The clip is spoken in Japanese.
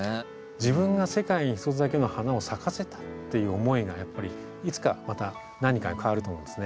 自分が世界に一つだけの花を咲かせたっていう思いがやっぱりいつかまた何かに変わると思うんですね。